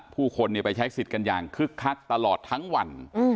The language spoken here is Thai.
ผู้คนไปใช้สิทธิ์กันอย่างคึกคักตลอดทั้งวัน